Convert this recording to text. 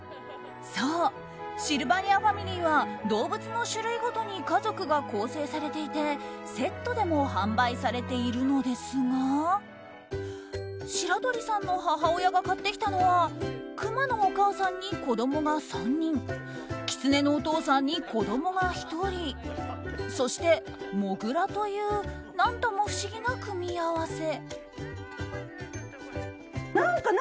そう、シルバニアファミリーは動物の種類ごとに家族が構成されていてセットでも販売されているのですが白鳥さんの母親が買ってきたのはクマのお母さんに子供が３人キツネのお父さんに子供が１人そしてモグラという何とも不思議な組み合わせ。